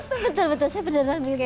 betul betul saya beneran begitu